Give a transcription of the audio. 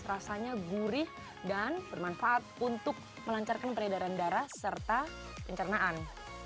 rasanya gurih dan bermanfaat untuk melancarkan peredaran darah serta pencernaan